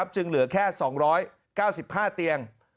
จึงเหลือแค่๒๙๕เตียง